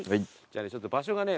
ちょっと場所がね